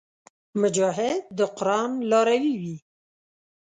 مجاهد د قران لاروي وي.